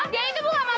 lo dari mana sin